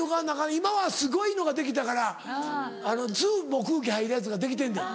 今はすごいのができたからすぐ空気入るやつができてんで。